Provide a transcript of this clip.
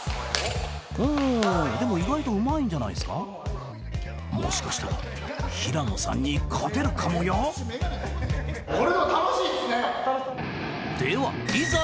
うんでも意外とうまいんじゃないっすかもしかしたら平野さんに勝てるかもよではいざ